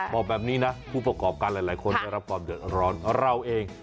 บอกแบบนี้นะผู้ประกอบการหลายคนได้รับความเดือดร้อนเราเอง